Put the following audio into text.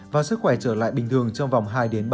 và sức khỏe trở lại bình thường trong vòng hai ba